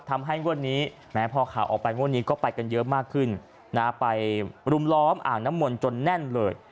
งวดนี้แม้พอข่าวออกไปงวดนี้ก็ไปกันเยอะมากขึ้นนะไปรุมล้อมอ่างน้ำมนต์จนแน่นเลย